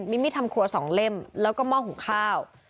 มิมิทำขัว๒เล่มแล้วก็ม่อหูข้าว